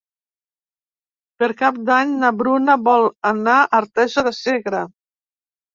Per Cap d'Any na Bruna vol anar a Artesa de Segre.